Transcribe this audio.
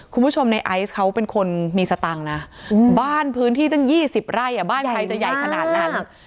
คุณผู้ชมในไอซ์เขาเป็นคนมีสตังค์นะบ้านพื้นที่ตั้ง๒๐ไร่บ้านใครจะใหญ่ขนาดนั้น